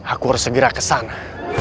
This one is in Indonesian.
aku harus segera kesana